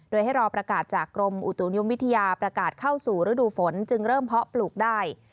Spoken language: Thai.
โดยให้รอประกาศจากกรมอุตุนิยมวิทยาประกาศเข้าสู่ฤดูฝนจึงเริ่มเพาะปลูกได้